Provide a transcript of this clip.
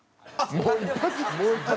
もう一発。